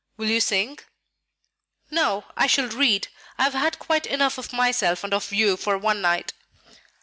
Will you sing?" "No, I shall read; I have had quite enough of myself and of you for one night."